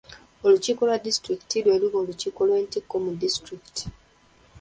Olukiiko lwa disitulikiti lwe luba olukiiko olw'oku ntikko mu disitulikiti.